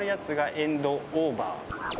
エンドオーバー